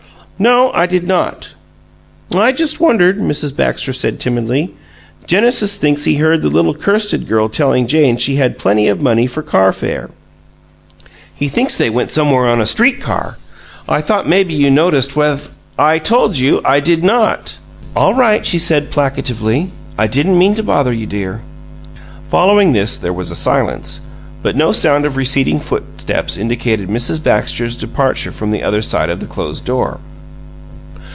"No. I did not." "I just wondered," Mrs. Baxter said, timidly. "Genesis thinks he heard the little Kirsted girl telling Jane she had plenty of money for carfare. He thinks they went somewhere on a street car. I thought maybe you noticed wheth " "I told you I did not." "All right," she said, placatively. "I didn't mean to bother you, dear." Following this there was a silence; but no sound of receding footsteps indicated Mrs. Baxter's departure from the other side of the closed door.